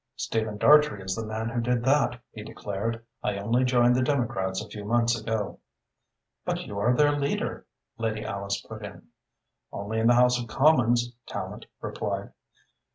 "Stephen Dartrey is the man who did that," he declared. "I only joined the Democrats a few months ago." "But you are their leader," Lady Alice put in. "Only in the House of Commons," Tallente replied.